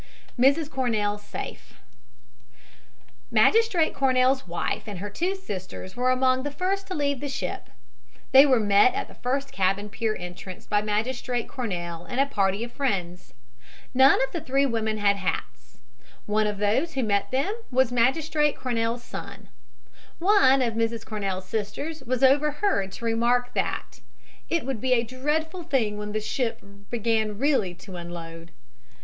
MRS. CORNELL SAFE Magistrate Cornell's wife and her two sisters were among the first to leave the ship. They were met at the first cabin pier entrance by Magistrate Cornell and a party of friends. None of the three women had hats. One of those who met them was Magistrate Cornell's son. One of Mrs. Cornell's sisters was overheard to remark that "it would be a dreadful thing when the ship began really to unload."